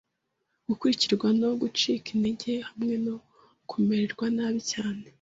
gukurikirwa no gucika intege hamwe no kumererwa nabi cyane